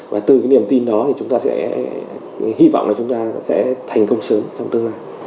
và từ cái niềm tin đó thì chúng ta sẽ hy vọng là chúng ta sẽ thành công sớm trong tương lai